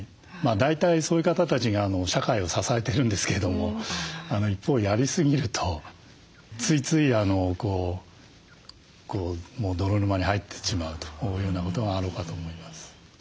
大体そういう方たちが社会を支えてるんですけれども一方やりすぎるとついつい泥沼に入ってしまうというようなことがあろうかと思います。